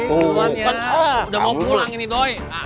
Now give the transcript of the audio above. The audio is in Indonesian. udah mau pulang ini doy